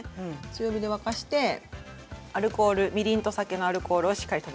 強火で沸かしてアルコールみりんと酒のアルコールをしっかり飛ばします。